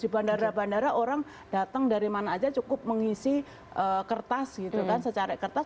di bandara bandara orang datang dari mana aja cukup mengisi kertas gitu kan secari kertas